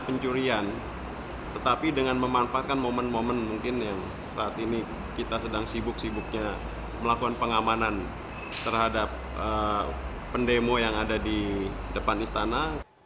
pencurian tetapi dengan memanfaatkan momen momen mungkin yang saat ini kita sedang sibuk sibuknya melakukan pengamanan terhadap pendemo yang ada di depan istana